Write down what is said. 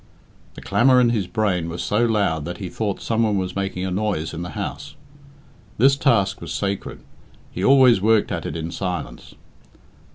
The clamour in his brain was so loud that he thought some one was making a noise in the house. This task was sacred. He always worked at it in silence.